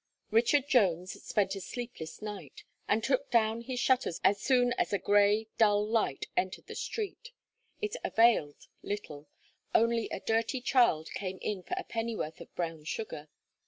Richard Jones spent a sleepless night, and took down his shutters as soon as a gray, dull light entered the street. It availed little; only a dirty child came in for a pennyworth of brown sugar.